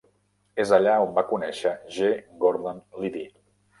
És allà on va conèixer G. Gordon Liddy.